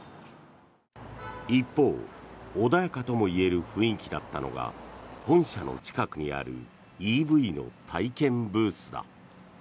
一方、穏やかともいえる雰囲気だったのが本社の近くにあるＥＶの体験ブースだ。